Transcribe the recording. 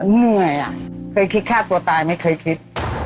เหนื่อยอ่ะเคยคิดฆ่าตัวตายไม่เคยคิด